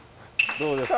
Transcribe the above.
どうですか？